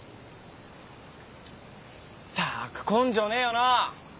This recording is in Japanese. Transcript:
ったく根性ねえよな。